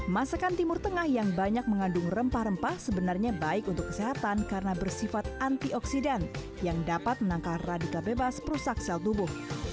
masakan timur tengah yang banyak mengandung rempah rempah sebenarnya baik untuk kesehatan karena bersifat antioksidan yang dapat menangkal radikal bebas perusak sel tubuh